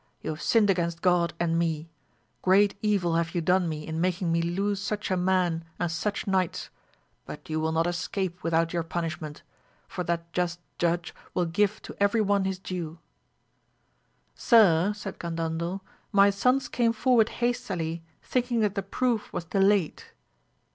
You have sinned against God and me ; great evil have you done me in making me lose such a man and such knights, but you will not escape without your punishment, for that just Judge will give to every one his due. Sir, said Gandandel, my sons came forward hastily thinking that the proof was delayed.